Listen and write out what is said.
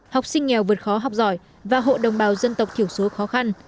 học sinh nghèo vượt khó học giỏi và hộ đồng bào dân tộc thiểu số khó khăn